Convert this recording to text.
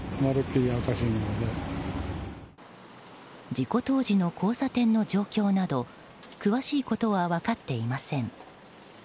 事故当時の交差点の状況など詳しいことは分かっていません。